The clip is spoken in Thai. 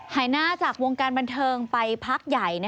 หายหน้าจากวงการบันเทิงไปพักใหญ่